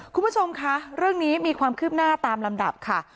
คุณผู้ชมคะเรื่องนี้มีความคืบหน้าตามลำดับค่ะ